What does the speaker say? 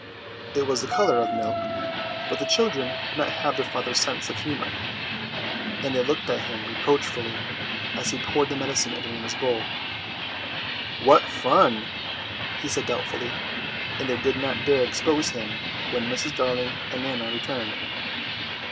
It was the colour of milk; but the children did not have their father's sense of humour, and they looked at him reproachfully as he poured the medicine into Nana's bowl. "What fun!" he said doubtfully, and they did not dare expose him when Mrs. Darling and Nana returned.